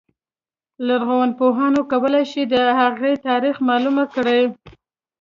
لرغونپوهان کولای شي د هغې تاریخ معلوم کړي.